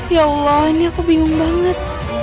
ya allah ini aku bingung banget